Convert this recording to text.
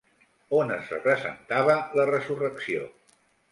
On es representava la resurrecció?